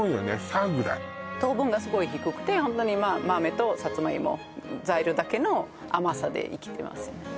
サッぐらい糖分がすごい低くてホントに豆とさつまいも材料だけの甘さでできてますよね